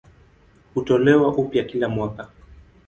Hutolewa upya kila mwaka.